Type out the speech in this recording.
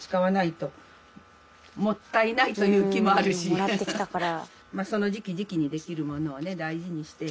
うんもらってきたから。